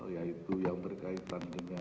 yaitu yang berkaitan dengan